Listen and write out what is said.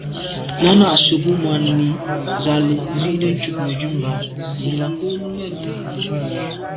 Náná à’sə̌’ mbu’ŋwà’nǐ á lǒ’ nzi’tə ncob Mə̀dʉ̂mbὰ yi lα.